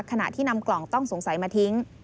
ขณะที่นำกล่องต้องสงสัยมาทิ้ง